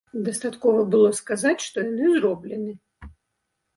Дастаткова было сказаць, што яны зроблены.